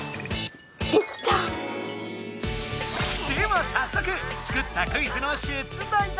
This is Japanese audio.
ではさっそく作ったクイズの出題だ。